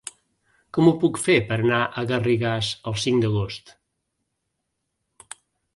Com ho puc fer per anar a Garrigàs el cinc d'agost?